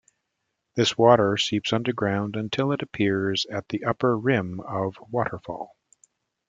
This water seeps underground until it appears at the upper rim of waterfall.